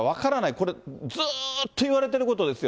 これ、ずっといわれていることですよ。